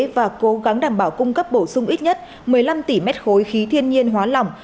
và cố gắng đảm bảo cung cấp bổ sung ít nhất một mươi năm tỷ mét khối khí thiên nhiên hóa lỏng